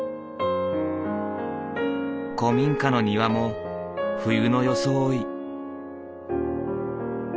古民家の庭も冬の装い。